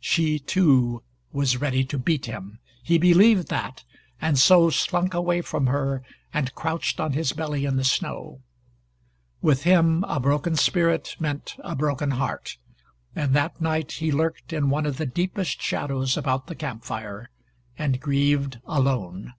She, too, was ready to beat him. He believed that, and so slunk away from her and crouched on his belly in the snow. With him, a broken spirit meant a broken heart, and that night he lurked in one of the deepest shadows about the camp fire and grieved alone.